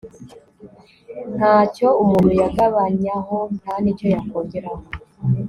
nta cyo umuntu yagabanyaho, nta n'icyo yakongeraho